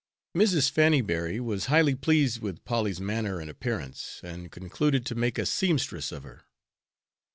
Mrs. Fanny Berry was highly pleased with Polly's manner and appearance, and concluded to make a seamstress of her.